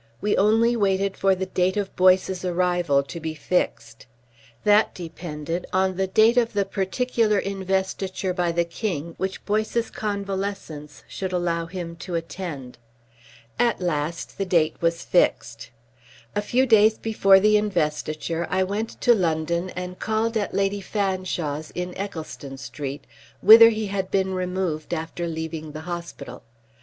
We only waited for the date of Boyce's arrival to be fixed. That depended on the date of the particular Investiture by the King which Boyce's convalescence should allow him to attend. At last the date was fixed. A few days before the Investiture I went to London and called at Lady Fanshawe's in Eccleston Street, whither he had been removed after leaving the hospital.